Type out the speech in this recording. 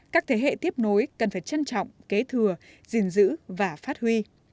các thế hệ tiếp nối cần phải trân trọng kế thừa gìn giữ và phát huy